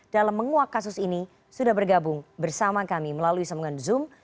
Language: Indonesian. dalam menguak kasus ini sudah bergabung bersama kami melalui sambungan zoom